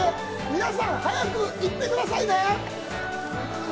皆さん早く行ってくださいね。